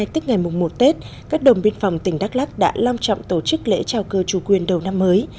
tức ngày mùng một tết các đồng biên phòng tỉnh đắk lắc đã long trọng tổ chức lễ trao cơ chủ quyền đầu năm mới